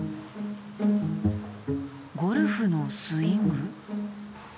ゴルフのスイング？